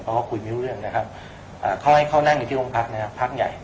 เพราะว่าคุยไม่รู้เรื่องนะครับเขาให้เขานั่งอยู่ที่โรงพักนะครับพักใหญ่